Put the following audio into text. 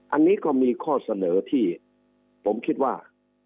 อันนี้ก็มีข้อเสนอที่ผมคิดว่า